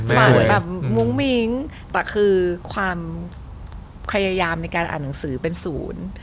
ฝันแบบมุ้งมิ้งแต่คือความพยายามในการอ่านหนังสือเป็นศูนย์